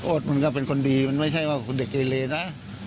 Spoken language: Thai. โอ๊ตก็เป็นคนดีไม่ใช่ว่าเด็กเจยเลนะ